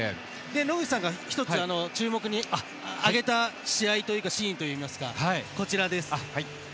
野口さんが１つ注目に挙げた試合というかシーンが、こちらです。